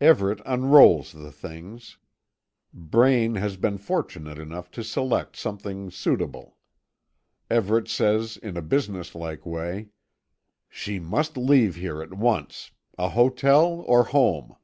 Everet unrolls the things. Braine has been fortunate enough to select something suitable. Everet says in a business like way: "She must leave here, at once a hotel, or home?"